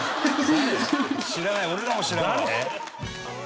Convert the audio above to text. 「知らない俺らも知らないわ」